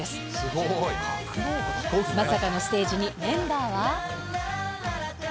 まさかのステージに、メンバーは？